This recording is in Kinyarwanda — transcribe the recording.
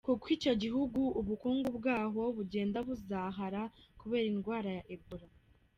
Kuko icyo gihugu u bukungu bwaho bugenda buzahazahara kubera indwara ya Ebola .